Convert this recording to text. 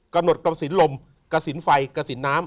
กำหนดกระสินลมกระสินไฟกระสินน้ำ